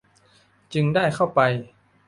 จึงได้เข้าไป